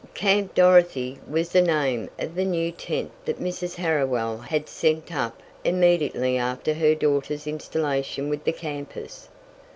Camp Dorothy was the name of the new tent that Mrs. Harriwell had sent up immediately after her daughter's installation with the campers.